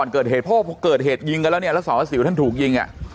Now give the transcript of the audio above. เกิดเหตุเพราะเกิดเหตุยิงกันแล้วเนี่ยแล้วสารวัสสิวท่านถูกยิงอ่ะ